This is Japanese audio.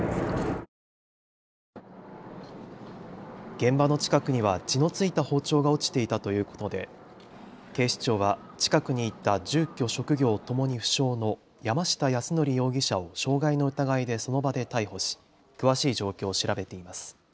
現場の近くには血の付いた包丁が落ちていたということで警視庁は近くにいた住居・職業ともに不詳の山下泰範容疑者を傷害の疑いでその場で逮捕し詳しい状況を調べています。